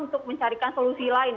untuk mencarikan solusi lain